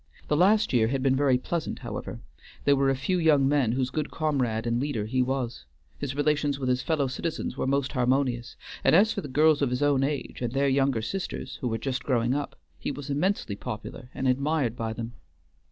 The last year had been very pleasant, however: there were a few young men whose good comrade and leader he was; his relations with his fellow citizens were most harmonious; and as for the girls of his own age and their younger sisters, who were just growing up, he was immensely popular and admired by them.